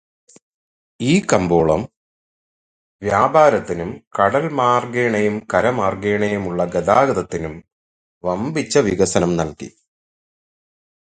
ഈ കമ്പോളം വ്യാപാരത്തിനും കടൽമാർഗ്ഗേണയും കരമാർഗ്ഗേണയുമുള്ള ഗതാഗതത്തിനും വമ്പിച്ച വികസനം നൽകി.